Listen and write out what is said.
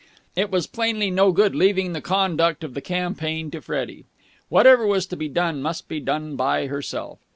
It was plainly no good leaving the conduct of the campaign to Freddie. Whatever was to be done must be done by herself.